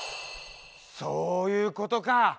そういうことか！